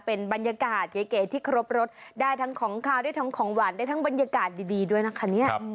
เป็นบรรยากาศเก๋ที่ครบรสได้ทั้งของขาวได้ทั้งของหวานได้ทั้งบรรยากาศดีด้วยนะคะเนี่ย